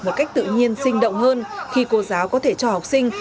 một cách tự nhiên sinh động hơn khi cô giáo có thể cho học sinh